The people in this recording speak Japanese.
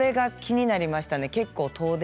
それが気になりました。